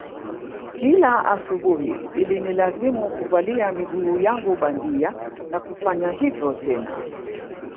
Kila asubuhi ilinilazimu kuvalia miguu yangu bandia na kufanya hivyo tena